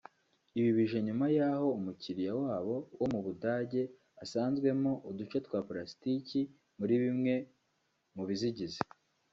Ibi bije nyuma y’aho umukiriya wabo wo mu Budage asanzemo uduce twa pulasitiki muri bimwe mu bizigize